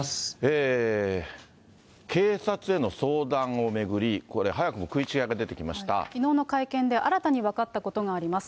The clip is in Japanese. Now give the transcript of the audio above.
警察への相談を巡り、これ、きのうの会見で新たに分かったことがあります。